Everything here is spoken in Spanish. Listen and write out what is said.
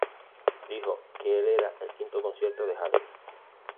Le dijo que era el quinto concierto de Halley.